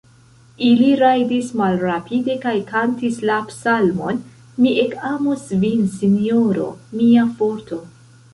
Ili rajdis malrapide kaj kantis la psalmon: "Mi ekamos Vin, Sinjoro, mia Forto!"